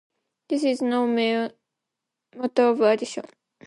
This is no mere matter of addition.